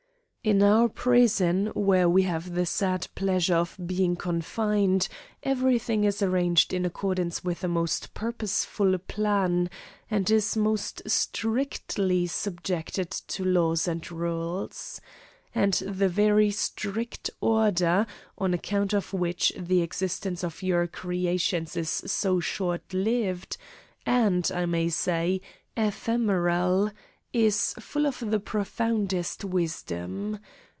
"In our prison, where we have the sad pleasure of being confined, everything is arranged in accordance with a most purposeful plan and is most strictly subjected to laws and rules. And the very strict order, on account of which the existence of your creations is so short lived, and, I may say, ephemeral, is full of the profoundest wisdom.